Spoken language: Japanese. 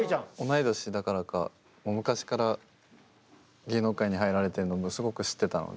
同い年だからかもう昔から芸能界に入られてるのもすごく知ってたので。